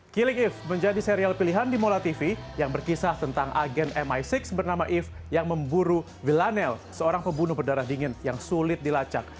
killing eve menjadi serial pilihan di mola tv yang berkisah tentang agen mi enam bernama ev yang memburu vilanel seorang pembunuh berdarah dingin yang sulit dilacak